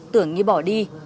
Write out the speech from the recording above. tưởng như bỏ đi